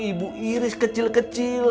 ibu iris kecil kecil